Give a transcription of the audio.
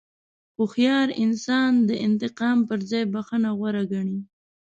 هوښیار انسان د انتقام پر ځای بښنه غوره ګڼي.